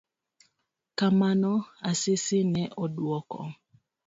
Kamano, Asisi ne oduoko